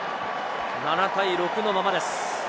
７対６のままです。